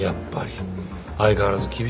相変わらず厳しいな。